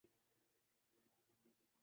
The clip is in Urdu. پُریقین جب وہ دو دن بعد سفارتخانے پہنچا